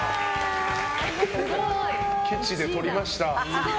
ケチでとりました。